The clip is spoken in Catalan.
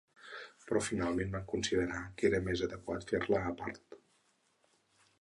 Però finalment vam considerar que era més adequat fer-la a part.